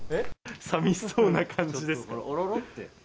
さみしそうな感じですね。